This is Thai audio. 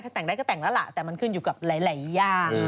แต่งได้ก็แต่งแล้วล่ะแต่มันขึ้นอยู่กับหลายอย่าง